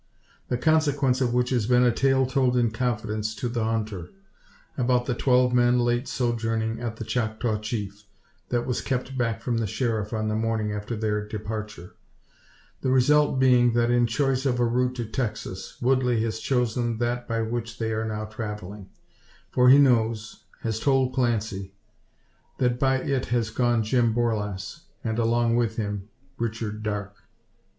The consequence of which has been a tale told in confidence to the hunter, about the twelve men late sojourning at the Choctaw Chief, that was kept back from the Sheriff on the morning after their departure. The result being, that in choice of a route to Texas, Woodley has chosen that by which they are now travelling. For he knows has told Clancy that by it has gone Jim Borlasse, and along with him Richard Darke.